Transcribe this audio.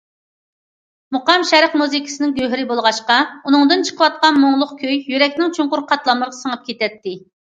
مۇقام شەرق مۇزىكىسىنىڭ گۆھىرى بولغاچقا، ئۇنىڭدىن چىقىۋاتقان مۇڭلۇق كۈي يۈرەكنىڭ چوڭقۇر قاتلاملىرىغا سىڭىپ كېتەتتى.